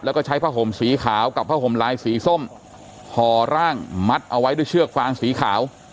แล้วก็ใช้ผ้าห่มสีขาวกับผ้าห่มลายสีส้มห่อร่างมัดเอาไว้ด้วยเชือกฟางสีขาว